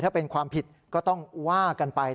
ถ้าเป็นความผิดก็ต้องว่ากันไป